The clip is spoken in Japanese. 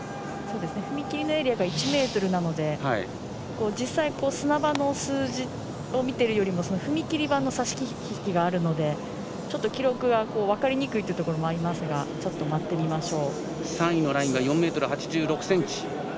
踏み切りのエリアが１ｍなので実際、砂場の数字を見ているよりも踏み切り板の差し引きがあるのでちょっと記録が分かりにくいというところもありますがちょっと待ってみましょう。